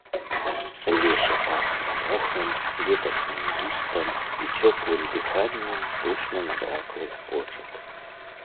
У лесе пахла мохам, леташнім лістам і цёплым дыханнем пышна набраклых почак.